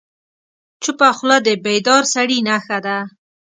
چپه خوله، د بیدار سړي نښه ده.